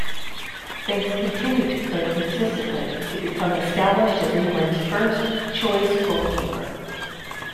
Banks continued to play consistently to become established as England's first-choice goalkeeper.